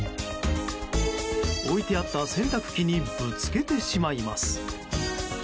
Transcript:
置いてあった洗濯機にぶつけてしまいます。